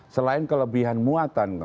selain kelebihan muatan